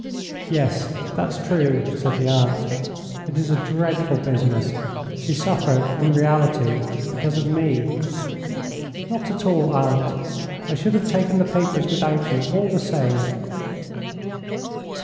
"Yes, that's true," said the aunt. "It is a dreadful business. She suffered, in reality, because of me." "Not at all, aunt. I should have taken the papers without you all the same."